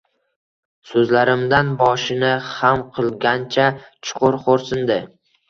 so`zlarimdan boshini xam qilgancha chuqur xo`rsindi